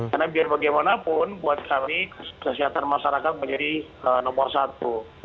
karena biar bagaimanapun buat kami kesehatan masyarakat menjadi nomor satu